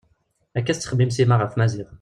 Akka i tettxemmim Sima ɣef Maziɣ.